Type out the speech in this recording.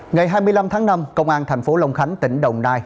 ngày hai mươi năm tháng năm công an thành phố long khánh tỉnh đồng nai